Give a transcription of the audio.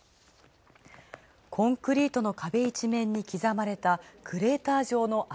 コンクリートの壁一面に刻まれたクレーター状の穴。